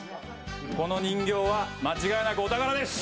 「この人形は間違いなくお宝です！」